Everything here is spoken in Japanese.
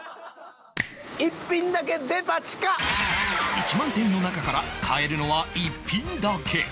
１万点の中から買えるのは１品だけ